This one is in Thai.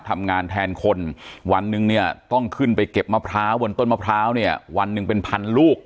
ทำงานแทนคนวันหนึ่งเนี่ยต้องขึ้นไปเก็บมะพร้าวบนต้นมะพร้าวเนี่ยวันหนึ่งเป็นพันลูก